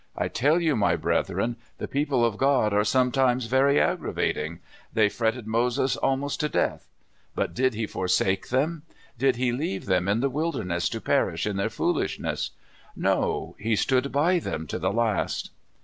I tell you, my brethren, the people of God are sometimes very aggravating. They fret ted Moses almost to death. But did he forsake them? Did he leave them in the wilderness to perish in their foolishness? No; he stood by them to the last."